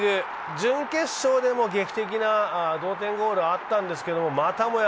準決勝でも劇的な同点ゴールがあったんですけれども、またもや